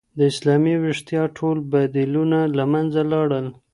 د اسلامي ویښتیا ټول بدیلونه له منځه لاړل.